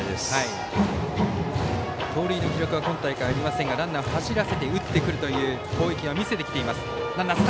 盗塁の記録は今大会、ありませんがランナーを走らせて打ってくるという攻撃を見せてきています。